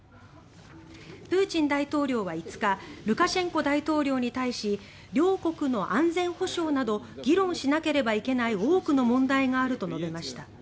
プーチン大統領は５日ルカシェンコ大統領に対し両国の安全保障など議論しなければいけない多くの問題があると述べました。